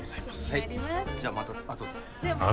はいじゃあまたあとで。